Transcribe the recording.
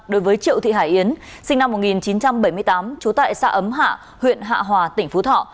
đối với triệu thị hải yến sinh năm một nghìn chín trăm bảy mươi tám trú tại xã ấm hạ huyện hạ hòa tỉnh phú thọ